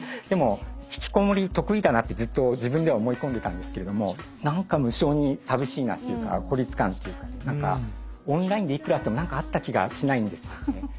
でも引きこもり得意だなってずっと自分では思い込んでたんですけれども何か無性に寂しいなっていうか孤立感というかオンラインでいくら会っても何か会った気がしないんですよね。